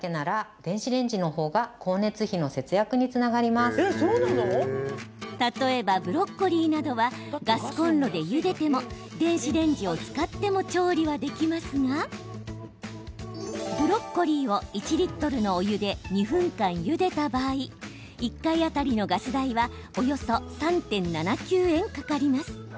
単純にゆでるだけなら例えば、ブロッコリーなどはガスコンロでゆでても電子レンジを使っても調理はできますがブロッコリーを１リットルのお湯で２分間ゆでた場合１回当たりのガス代はおよそ３．７９円かかります。